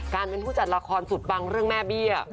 การเป็นผู้จัดละครสุดปังเรื่องแม่เบี้ย